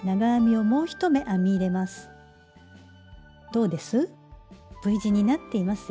どうです？